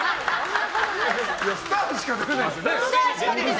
スターしか出てないですよね？